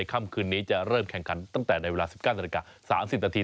ค่ำคืนนี้จะเริ่มแข่งขันตั้งแต่ในเวลา๑๙นาฬิกา๓๐นาที